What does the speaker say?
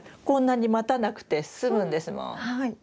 こんなに待たなくて済むんですもん。